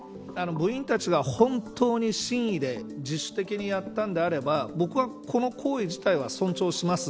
部員たちが本当に真意で自主的にやったんであれば僕はこの行為自体は尊重します。